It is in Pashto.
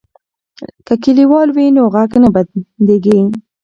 که کلیوال وي نو غږ نه بندیږي.